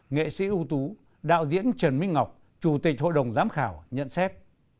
nghệ sĩ ưu tú đạo diễn trần minh ngọc chủ tịch hội đồng giám khảo nhận xét